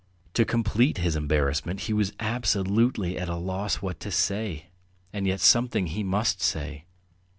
To complete his embarrassment, he was absolutely at a loss what to say, and yet something he must say.